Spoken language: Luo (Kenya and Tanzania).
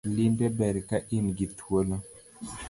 Limbe ber ka ingi thuolo